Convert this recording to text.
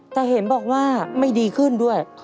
แต่เห็นบอกว่าไม่ดีขึ้นด้วย